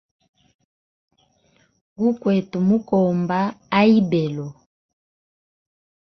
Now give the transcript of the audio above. Gukwete mukomba a ibelo.